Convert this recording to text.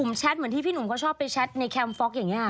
ผมแชทเหมือนที่พี่หนุ่มเขาชอบไปแชทในแคมฟ็อกอย่างนี้ค่ะ